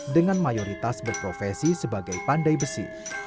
dengan mayoritas berprofesi sebagai pandai besi